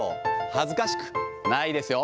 恥ずかしくないですよ。